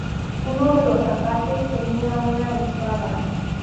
Uno de los atacantes tenía una espada.